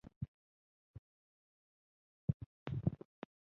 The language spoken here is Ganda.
Abawagizi bammwe bambi babasubwa.